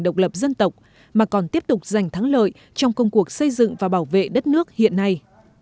độc lập dân tộc mà còn tiếp tục giành thắng lợi trong công cuộc xây dựng và bảo vệ đất nước hiện nay